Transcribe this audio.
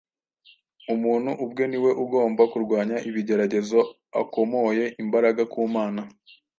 Umuntu ubwe niwe ugomba kurwanya ibigeragezo akomoye imbaraga ku Mana.